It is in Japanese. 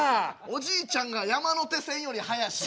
おじいちゃんが山手線より速し。